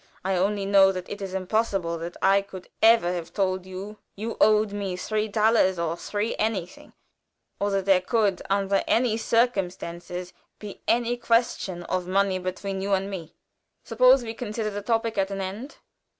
I only know it is impossible that I could ever have told you you owed me three thalers, or three anything, or that there could, under any circumstances, be any question of money between you and me. Suppose we consider the topic at an end."